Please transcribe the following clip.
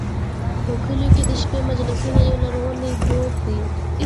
په کلیو کې د شپې مجلسونه یو لرغونی دود دی.